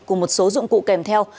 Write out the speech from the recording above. cùng một số dụng cụ kèm theo